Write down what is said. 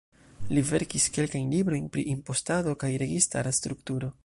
Li verkis kelkajn librojn pri impostado kaj registara strukturo.